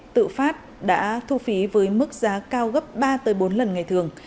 tự phát đã thu phí với mức giá cao gấp ba bốn lần ngày thường